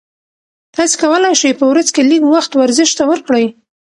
تاسي کولای شئ په ورځ کې لږ وخت ورزش ته ورکړئ.